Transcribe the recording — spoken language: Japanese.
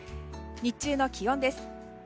日中の気温です。